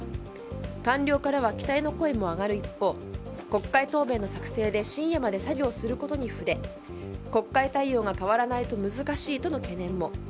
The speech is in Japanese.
官僚からは期待の声も上がる一方国会答弁の作成で深夜まで対応することに触れ国会対応が変わらないと難しいとの懸念も。